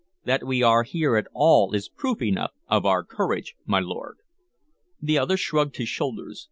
That we are here at all is proof enough of our courage, my lord." The other shrugged his shoulders.